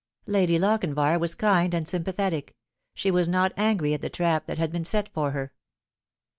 Lady Lochinvar was kind and sympathetic. She was not angry at the trap that had been set for her.